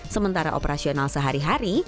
sementara operasional sehari hari